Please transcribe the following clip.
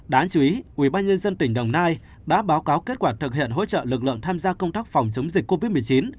đáng chú ý ubnd tỉnh đồng nai đã báo cáo kết quả thực hiện hỗ trợ lực lượng tham gia công tác phòng chống dịch covid một mươi chín